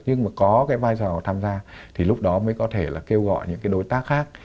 nhưng mà có vai trò tham gia thì lúc đó mới có thể kêu gọi những đối tác khác